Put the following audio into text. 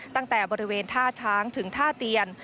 ตั้งแต่บริเวณท่าช้างถึงท่าเตียน